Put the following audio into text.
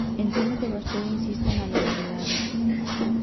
Entendo que vostede insista na legalidade.